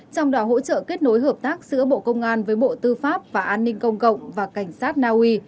trong đó hỗ trợ kết nối hợp tác giữa bộ công an với bộ tư pháp và an ninh công cộng và cảnh sát naui